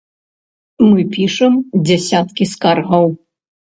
Мы пішам дзясяткі скаргаў.